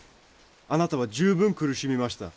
あなたは十分苦しみました。